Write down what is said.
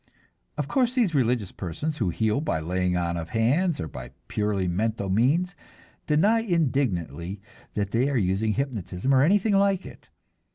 Of course these religious persons who heal by laying on of hands or by purely mental means deny indignantly that they are using hypnotism or anything like it.